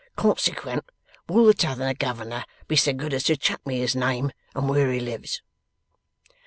Consequent, will the T'other Governor be so good as chuck me his name and where he lives?